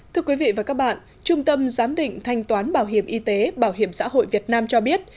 thưa quý vị và các bạn trung tâm giám định thanh toán bảo hiểm y tế bảo hiểm xã hội việt nam cho biết